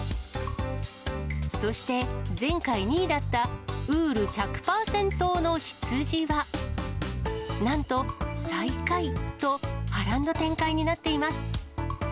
そして、前回２位だったウール１００パーセン党のヒツジは、なんと最下位と、波乱の展開になっています。